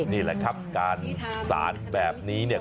นี่แหละครับการสารแบบนี้เนี่ย